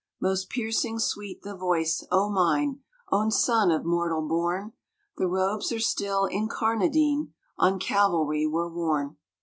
Most piercing sweet the voice, " O mine Own son, of mortal born ! The robes are still incarnadine On Calvary were worn.